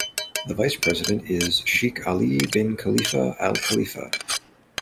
The Vice-President is Sheikh Ali Bin Khalifa Al-Khalifa.